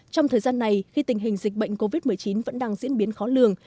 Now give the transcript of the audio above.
trong thời gian này khi tình hình dịch bệnh covid một mươi chín vẫn đang diễn biến khó lường